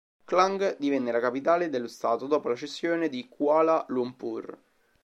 Klang divenne la capitale dello stato dopo la cessione di Kuala Lumpur.